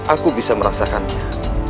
aku bisa merasakannya